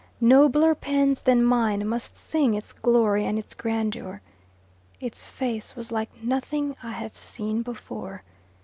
Nobler pens than mine must sing its glory and its grandeur. Its face was like nothing I have seen before.